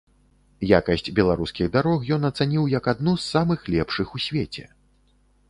Якасць беларускіх дарог ён ацаніў як адну з самых лепшых у свеце.